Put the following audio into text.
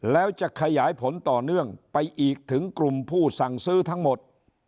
แล้วจะขยายผลต่อเนื่องไปอีกถึงกลุ่มผู้สั่งซื้อทั้งหมด